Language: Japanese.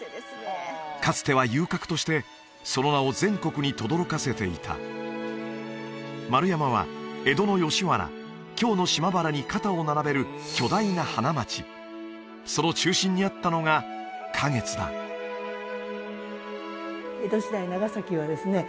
かつては遊郭としてその名を全国にとどろかせていた丸山は江戸の吉原京の島原に肩を並べる巨大な花街その中心にあったのが花月だ江戸時代長崎はですね